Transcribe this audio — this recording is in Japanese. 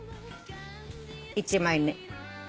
１枚目。